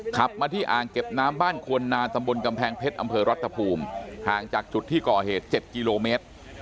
ขับมาที่อ่างเก็บน้ำบ้านควรนานตำบลกำแพงเพชรอำเภอรัฐภูมิห่างจากจุดที่ก่อเหตุ๗กิโลเมตร